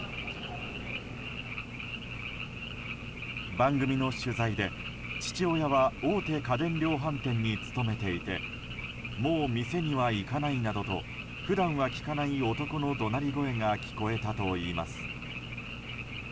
番組の取材で、父親は大手家電量販店に勤めていてもう店には行かないなどと普段は聞かない男の怒鳴り声が聞こえたといいます。